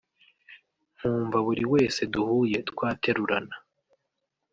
nkumva buri wese duhuye twaterurana